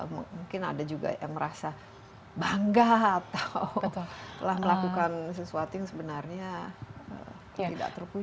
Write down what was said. mungkin ada juga yang merasa bangga atau telah melakukan sesuatu yang sebenarnya tidak terpukul